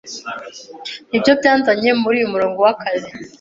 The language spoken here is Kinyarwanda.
Nibyo byanzanye muri uyu murongo w'akazi.